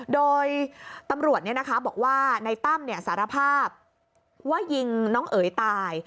โดยตำรวจบอกว่านายตั้มสารภาพว่ายิงน้องเอ๋ยตาย